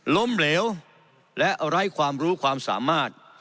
ล้มเหลวและไร้ความรู้ความสามารถ